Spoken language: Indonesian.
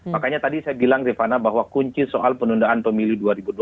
makanya tadi saya bilang rifana bahwa kunci soal penundaan pemilu dua ribu dua puluh